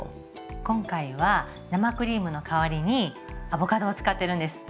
今回は生クリームの代わりにアボカドを使ってるんです。